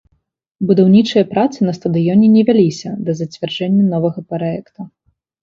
Будаўнічыя працы на стадыёне не вяліся да зацвярджэння новага праекта.